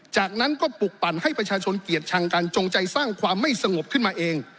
จากนั้นก็ปลุกปั่นให้ประชาชนเกลียดชังกันจงใจสร้างความไม่สงบขึ้นมาเอง